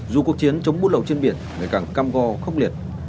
dù cuộc chiến chống bút lậu trên biển ngày càng cam go khốc liệt